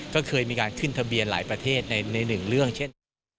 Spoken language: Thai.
ก็เคยมีการขึ้นทะเบียนหลายประเทศในหนึ่งเรื่องเช่น